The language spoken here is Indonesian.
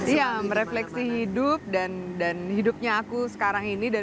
iya merefleksi hidup dan hidupnya aku sekarang ini